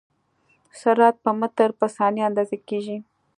سرعت په متر په ثانیه اندازه کېږي.